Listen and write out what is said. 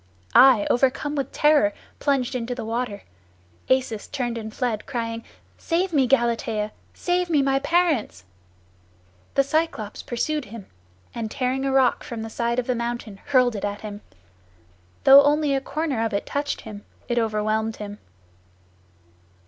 I, overcome with terror, plunged into the water. Acis turned and fled, crying, 'Save me, Galatea, save me, my parents!' The Cyclops pursued him, and tearing a rock from the side of the mountain hurled it at him. Though only a corner of it touched him, it overwhelmed him.